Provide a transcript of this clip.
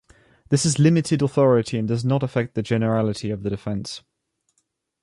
This is limited authority and does not affect the generality of the defense.